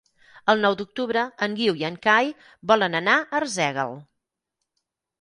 El nou d'octubre en Guiu i en Cai volen anar a Arsèguel.